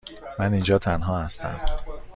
من اینجا تنها هستم.